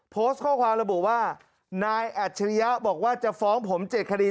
โพสต์ข้อความระบุว่านายอัจฉริยะบอกว่าจะฟ้องผม๗คดี